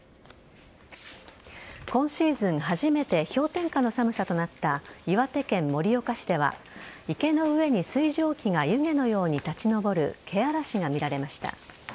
今シーズン初めて氷点下の寒さとなった岩手県盛岡市では池の上に水蒸気が湯気のように立ち上るけあらしが見られました。